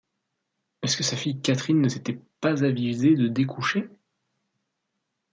Est-ce que sa fille Catherine ne s'était pas avisée de découcher ?